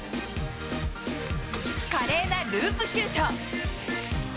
華麗なループシュート。